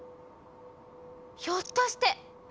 ひょっとして！